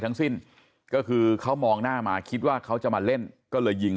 ทั้งสิ้นก็คือเขามองหน้ามาคิดว่าเขาจะมาเล่นก็เลยยิง